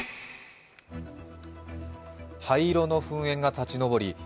灰色の噴煙が立ち上り